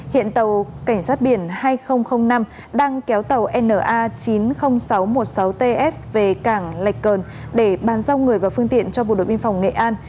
hiện tàu cảnh sát biển hai nghìn năm đang kéo tàu na chín mươi nghìn sáu trăm một mươi sáu ts về cảng lạch cờn để bàn giao người và phương tiện cho bộ đội biên phòng nghệ an